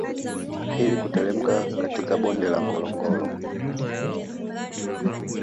Ili kuteremka katika bonde la ngorongoro